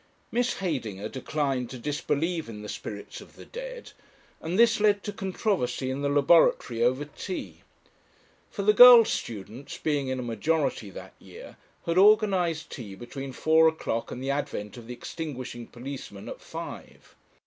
Miss Heydinger declined to disbelieve in the spirits of the dead, and this led to controversy in the laboratory over Tea. For the girl students, being in a majority that year, had organised Tea between four o'clock and the advent of the extinguishing policeman at five.